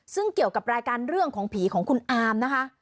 ซึ่งเกี่ยวกับรายการเรื่องของผีของคุณอามนะคะ